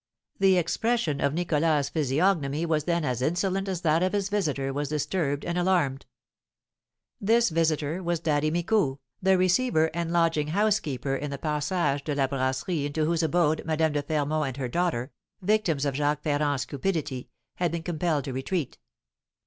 The expression of Nicholas's physiognomy was then as insolent as that of his visitor was disturbed and alarmed. This visitor was Daddy Micou, the receiver and lodging house keeper in the Passage de la Brasserie, into whose abode Madame de Fermont and her daughter, victims of Jacques Ferrand's cupidity, had been compelled to retreat.